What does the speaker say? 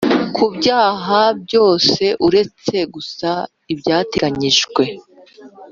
Ku byaha byose uretse gusa ibyateganyijwe